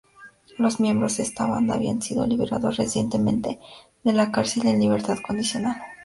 Los miembros esta banda habían sido liberados recientemente de la cárcel en libertad condicional.